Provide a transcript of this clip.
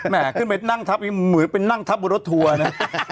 เหมือนไปนั่งทับบนรถตัวนะ